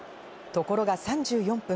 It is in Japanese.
ところが３４分。